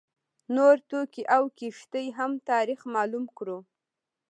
نور توکي او کښتۍ هم تاریخ معلوم کړو.